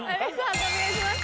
判定お願いします。